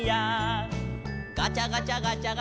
「ガチャガチャ